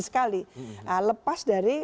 sekali lepas dari